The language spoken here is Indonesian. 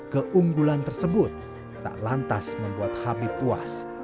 keunggulan tersebut tak lantas membuat habib puas